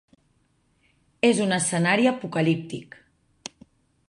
És un escenari apocalíptic.